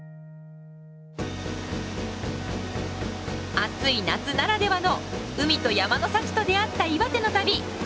暑い夏ならではの海と山の幸と出会った岩手の旅。